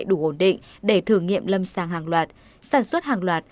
đủ ổn định để thử nghiệm lâm sàng hàng loạt sản xuất hàng loạt